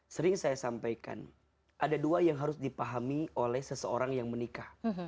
sering saya sampaikan ada dua yang harus dipahami oleh seseorang yang menikah